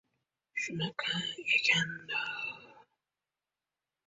— Ha, endi keksalik-da, o‘rgilay.